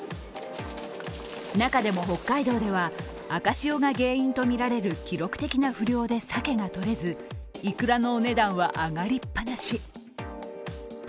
中でも、北海道では赤潮が原因とみられる記録的な不漁でさけがとれずイクラのお値段は上がりっぱなし。